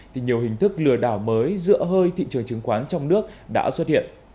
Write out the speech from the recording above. thì nhiều hình thức lừa đảo mới giữa hơi thị trường chứng khoán trong nước đã xuất hiện